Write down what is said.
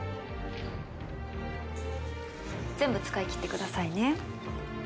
全部使い切ってくださいね。